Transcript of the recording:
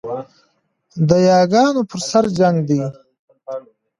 د یاګانو پر سر جنګ دی